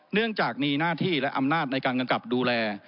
เนื่องจากมีหน้าที่และอำนาจในการกำกับดูแล